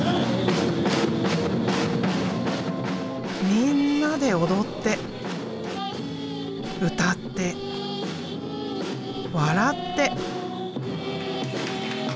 みんなで踊って歌って笑って！